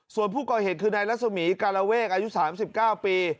ส่วนผู้ก่อเหตุคือนายรัศมีการเวกอายุ๓๙ปี